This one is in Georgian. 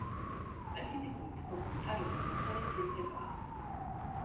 სპეციფიკური თბოგამტარობა მასალის თვისებაა.